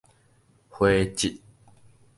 灰質